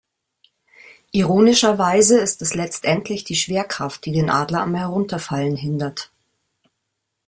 Ironischerweise ist es letztendlich die Schwerkraft, die den Adler am Herunterfallen hindert.